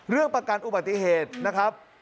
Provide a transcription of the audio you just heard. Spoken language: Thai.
เรื่องประกันอุบัติเหตุนะครับ